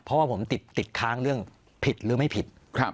เพราะว่าผมติดค้างเรื่องผิดหรือไม่ผิด